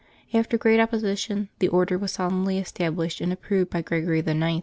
After great opposition, the Order was solemnly established, and approved by Gregory IX.